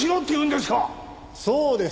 そうです。